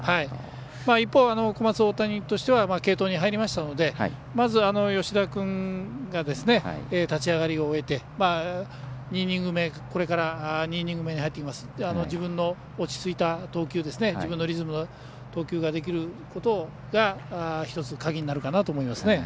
一方、小松大谷としては継投に入りましたので吉田君が立ち上がりを終えてこれから２イニング目に入りますが自分の落ち着いた投球ができるのが１つ鍵になるかなと思います。